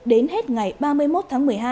đến hết ngày ba mươi một tháng một mươi hai